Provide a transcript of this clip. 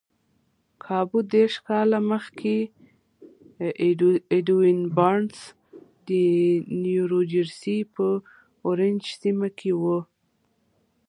کابو دېرش کاله مخکې ايډوين بارنس د نيوجرسي په اورنج سيمه کې و.